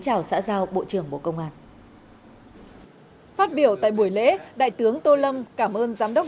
chào xã giao bộ trưởng bộ công an phát biểu tại buổi lễ đại tướng tô lâm cảm ơn giám đốc